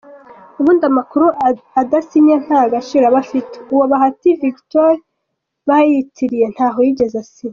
Ubundi amakuru adasinye nta gaciro aba afite ,uwo Bahati Vigitori bayitiriye ntaho yigeze asinya.